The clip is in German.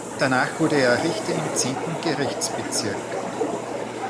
Danach wurde er Richter im zehnten Gerichtsbezirk.